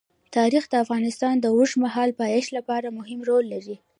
تاریخ د افغانستان د اوږدمهاله پایښت لپاره مهم رول لري.